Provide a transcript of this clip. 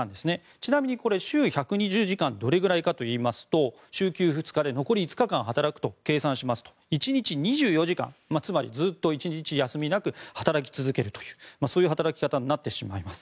ちなみに週１２０時間はどれくらいかといいますと週休２日で残り５日間働くと計算しますと１日２４時間、つまりずっと１日休みなく働き続けるというそういう働き方になってしまいます。